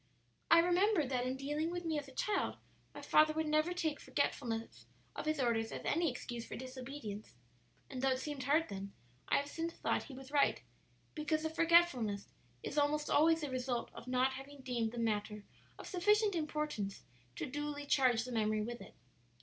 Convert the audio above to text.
"I remember that in dealing with me as a child my father would never take forgetfulness of his orders as any excuse for disobedience; and though it seemed hard then, I have since thought he was right, because the forgetfulness is almost always the result of not having deemed the matter of sufficient importance to duly charge the memory with it.